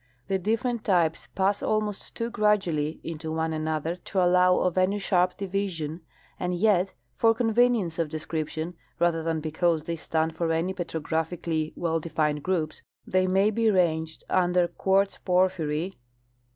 The difi'erent types pass almost too gradually into one another to allow of any sharp division; and yet for convenience of description, rather than because they stand for any petrographically well defined groups, they may be ranged under quartz porphyry See J.